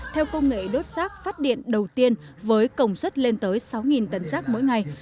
theo công nghệ đốt rác phát điện đầu tiên với công suất lên tới sáu tấn rác mỗi ngày